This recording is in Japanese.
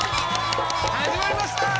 始まりました！